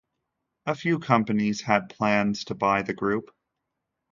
A few companies had plans to buy the group.